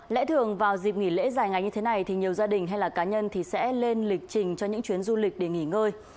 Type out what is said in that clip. lẽ thường vào dịp nghỉ lễ dài ngày như thế này nhiều gia đình hay cá nhân sẽ lên lịch trình cho những chuyến du lịch để nghỉ ngơi